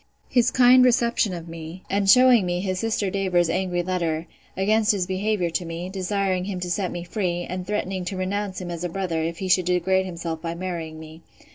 His kind reception of me, and shewing me his sister Davers's angry letter, against his behaviour to me, desiring him to set me free, and threatening to renounce him as a brother, if he should degrade himself by marrying me.